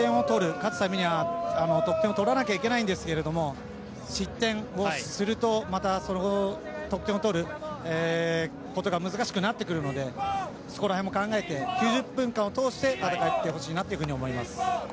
勝つためには得点を取らなきゃいけないんですけど失点をするとまたその得点を取ることが難しくなってくるのでそこらへんも考えて９０分間を通して戦ってほしいなというふうに思います。